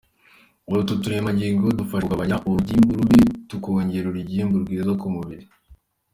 Utu turemangingo dufasha mu kugabanya urugimbu rubi tukongera urugimbu rwiza mu mubiri.